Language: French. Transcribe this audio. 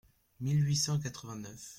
mille huit cent quatre-vingt-neuf.